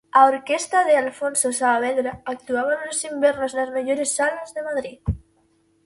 A orquestra de Alfonso Saavedra actuaba nos invernos nas mellores salas de Madrid.